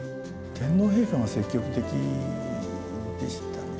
天皇陛下が積極的でしたね。